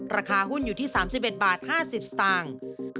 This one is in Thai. ราคาหุ้นอยู่ที่๓๑บาท๕๐สตางค์